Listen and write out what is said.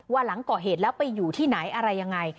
หลังก่อเหตุแล้วไปอยู่ที่ไหนอะไรยังไง